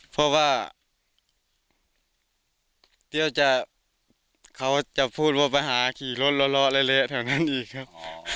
เพราะว่าเดี๋ยวจะเขาจะพูดว่าไปหาขี่รถละล้อเละแถวนั้นอีกครับ